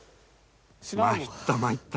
「参った参った。